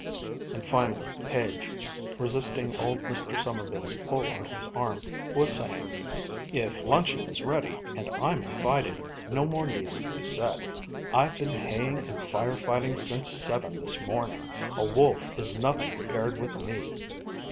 And finally Page, resisting old Mr. Sommerville's pull on his arm, was saying: "If luncheon is ready, and I'm invited, no more needs to be said. I've been haying and fire fighting since seven this morning. A wolf is nothing compared with me."